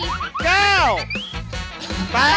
หมดเวลา